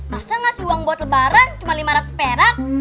masa ngasih uang buat lebaran cuma lima ratus perak